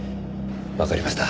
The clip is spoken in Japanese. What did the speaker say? わかりました。